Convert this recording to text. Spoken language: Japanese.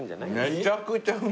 めちゃくちゃうまい。